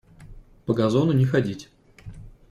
По газону не ходить!